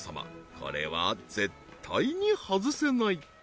これは絶対に外せない